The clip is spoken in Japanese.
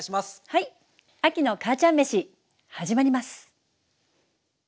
はい「亜希の母ちゃんめし」始まります。